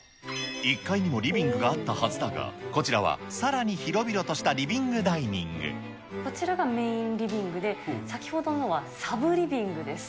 １階にもリビングがあったはずだが、こちらはさらに広々としこちらがメインリビングで、先ほどのはサブリビングです。